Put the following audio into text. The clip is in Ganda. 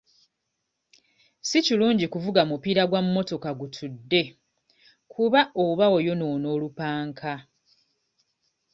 Si kirungi kuvuga mupiira gwa mmotoka gutudde kuba oba oyonoona olupanka.